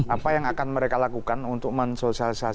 apa yang akan mereka lakukan untuk mensosialisasikan pancasila itu